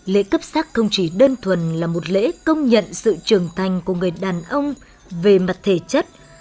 lễ cấp sắc không chỉ đơn thuần là một lễ công nhận sự trưởng thành của người đàn ông về mặt thể chất